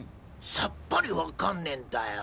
さっぱり分かんねぇんだよ。